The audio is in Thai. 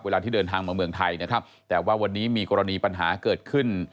ที่เดินทางมาเมืองไทยนะครับแต่ว่าวันนี้มีกรณีปัญหาเกิดขึ้น